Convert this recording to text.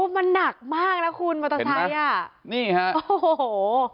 มันหนักมากนะคุณมอเตอร์ไซค์